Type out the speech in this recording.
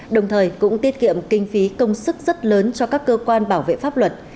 đồng thời cũng tiết kiệm kinh phí công sức rất lớn cho các cơ quan bảo vệ pháp luật